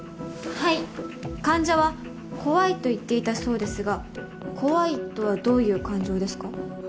はい患者は怖いと言っていたそうですが怖いとはどういう感情ですか？